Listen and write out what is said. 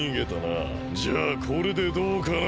じゃあこれでどうかな？